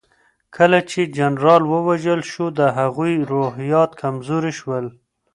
کله چې جنرال ووژل شو د هغوی روحيات کمزوري شول.